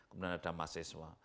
kemudian ada mahasiswa